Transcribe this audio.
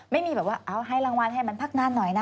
ไม่มีแบบว่าเอาให้รางวัลให้มันพักนานหน่อยนะ